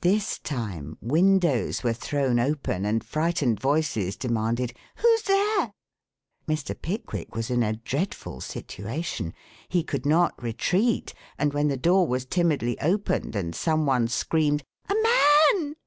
This time windows were thrown open and frightened voices demanded "Who's there?" Mr. Pickwick was in a dreadful situation. He could not retreat, and when the door was timidly opened and some one screamed "A man!"